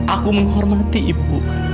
aku menghormati ibu